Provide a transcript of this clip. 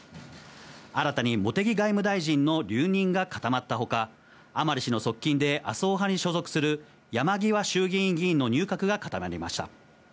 新たに茂木外務大臣の留任が固まったほか、甘利氏の側近で麻生派に所属する山際衆議院議員の入閣が固まりました。